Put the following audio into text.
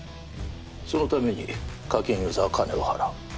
そのために課金ユーザーは金を払う